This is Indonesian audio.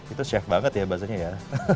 itu chef banget ya bahasanya ya